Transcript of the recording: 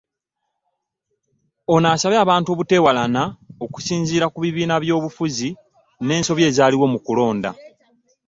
Ono asabye abantu obuteewalana okusinziira ku bibiina by'obufuzi n'ensobi ezaaliwo mu kulonda